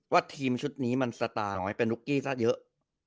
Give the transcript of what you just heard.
ทีมชุดนี้มันสตาร์น้อยเป็นนุ๊กกี้ซะเยอะ